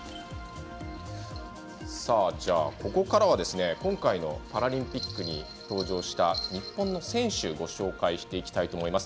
ここからは今回のパラリンピックに登場した日本の選手をご紹介していきたいと思います。